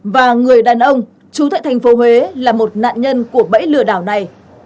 và người đàn ông chú tại thành phố huế là một nạn nhân của bẫy lừa đảo này